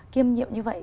kiêm nhiệm như vậy